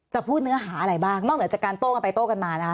พูดเนื้อหาอะไรบ้างนอกเหนือจากการโต้กันไปโต้กันมานะคะ